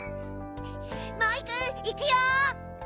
モイくんいくよ！